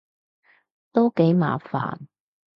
都幾麻煩